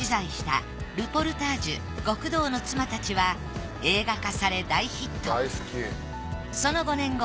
１９８６年ルポルタージュ『極道の妻たち』は映画化され大ヒット。